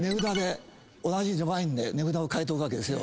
同じワインで値札を変えておくわけですよ。